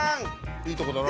いいとこだな。